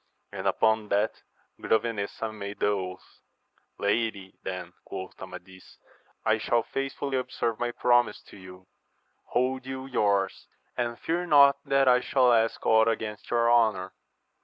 and upon that Grove nesa made the oatL Lady, then, quoth Amadis, I shall faithfully observe my promise to you : hold you yours, and fear not that I shall ask ought against your honour.